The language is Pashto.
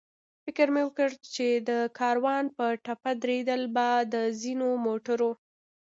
فکر مې وکړ چې د کاروان په ټپه درېدل به د ځینو موټرو.